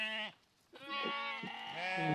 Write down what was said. আগের দিনে ছিল পান, তামাক।